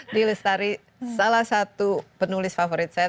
d lestari salah satu penulis favorit saya